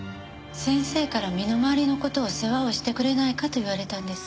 先生から身の回りの事を世話をしてくれないかと言われたんです。